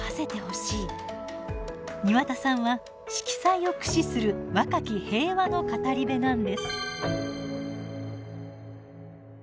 庭田さんは色彩を駆使する若き平和の語り部なんです。